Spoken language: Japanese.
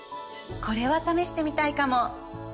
これは試してみたいかも！